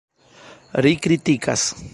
Ri kritikas.